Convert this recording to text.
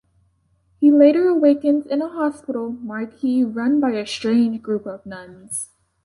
He later awakens in a hospital marquee run by a strange group of nuns.